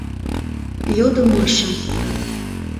— йодо Маша.